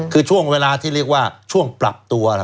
คือช่วงเวลาที่เรียกว่าช่วงปรับตัวล่ะ